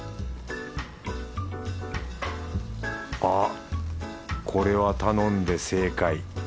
あっこれは頼んで正解。